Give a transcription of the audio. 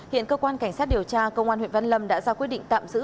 hiện cơ quan cảnh sát điều tra công an huyện văn lâm đã ra quyết định tạm giữ